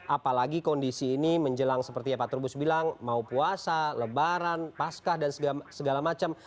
apalagi kondisi ini menjelang seperti yang pak trubus bilang mau puasa lebaran pascah dan segala macam